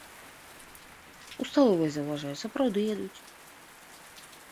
У сталовай заўважаю, сапраўды ядуць.